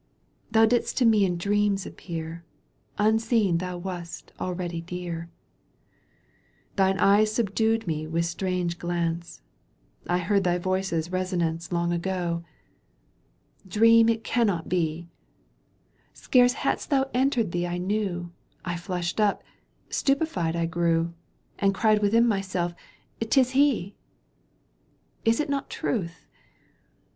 Thou didst to me in dreams appear. Unseen thou wast already dear. Thine eye subdued me with strange glance, I heard thy voice's resonance Digitized by CjOOQ 1С J CANTO in. EUGENE OISnEGUINE 87 Long ago. Dream it cannot be ! Scarce hadst thou entered thee I knew, I flushed up, stupefied I grew, And cried within myseK : 'tis he ! Is it not truth